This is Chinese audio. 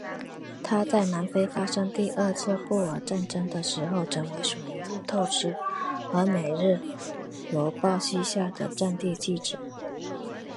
他在南非发生第二次布尔战争的时候成为属于路透社和每日邮报膝下的战地记者。